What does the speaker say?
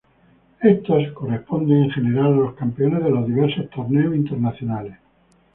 Estos corresponden, en general, a los campeones de los diversos torneos internacionales.